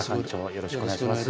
よろしくお願いします。